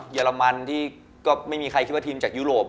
เรมันที่ก็ไม่มีใครคิดว่าทีมจากยุโรป